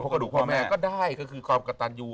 กระดูกพ่อแม่ก็ได้ก็คือความกระตันอยู่